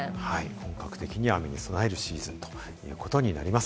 本格的に雨に備えるシーズンということになります。